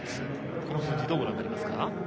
この数字、どうご覧になりますか。